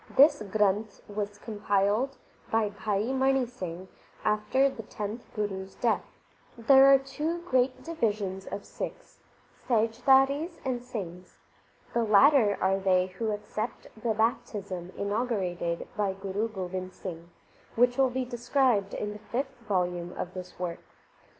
This Granth was compiled by Bhai Mani Singh after the tenth Guru s death. There are two great divisions of Sikhs, Sahijdharis and Singhs. The latter are they who accept the baptism in augurated by Guru Gobind Singh, which will be described in the fifth volume of this work.